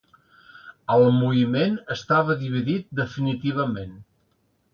El moviment estava dividit definitivament.